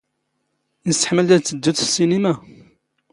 ⵉⵙ ⵜⵃⵎⵍⴷ ⴰⴷ ⵜⴻⵜⵜⴷⴷⵓⴷ ⵙ ⵙⵙⵉⵏⵉⵎⴰ?